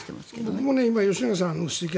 僕も今、吉永さんの指摘